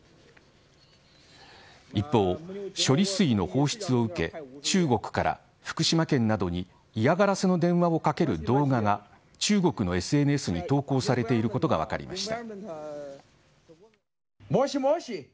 一方、処理水の放出を受け中国から福島県などに嫌がらせの電話をかける動画が中国のＳＮＳに投稿されていることが分かりました。